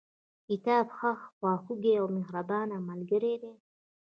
کتاب هغه خواخوږي او مهربانه ملګري دي.